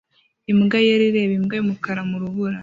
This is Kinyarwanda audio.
Imbwa yera ireba imbwa yumukara mu rubura